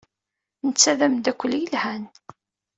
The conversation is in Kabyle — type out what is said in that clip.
Netta d ameddakel yelhan.